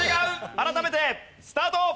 改めてスタート。